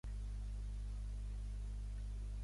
"Exotique" no tenia nus.